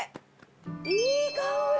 いい香り！